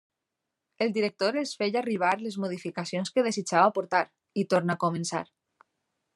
El director els feia arribar les modificacions que desitjava aportar, i torna a començar.